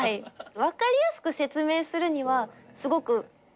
分かりやすく説明するにはすごく。